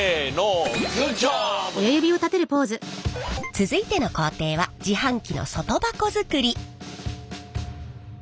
続いての工程は自販機の外箱作り。